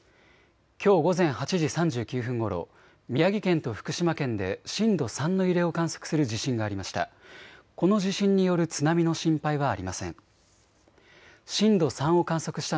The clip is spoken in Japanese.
きょう午前８時３９分ごろ、宮城県と福島県で震度３の揺れを観測する地震がありました。